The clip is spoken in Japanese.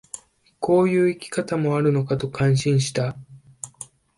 こういう生き方もあるのかと感心した